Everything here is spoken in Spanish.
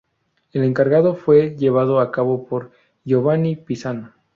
El encargo fue llevado a cabo por Giovanni Pisano.